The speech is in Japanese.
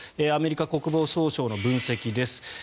アメリカ国防総省の分析です。